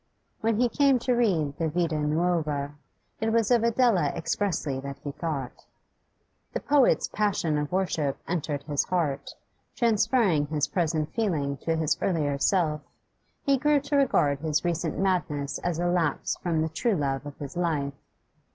When he came to read the 'Vita Nuova,' it was of Adela expressly that he thought. The poet's passion of worship entered his heart; transferring his present feeling to his earlier self, he grew to regard his recent madness as a lapse from the true love of his life.